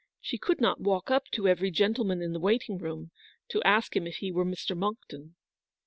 She could not walk up to every gentleman in the waiting room, to ask him if he were Mr. Monckton.